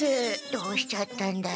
どうしちゃったんだろ？